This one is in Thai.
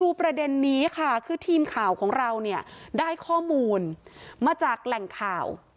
ประเด็นนี้ค่ะคือทีมข่าวของเราเนี่ยได้ข้อมูลมาจากแหล่งข่าว